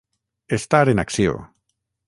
Estar en acció.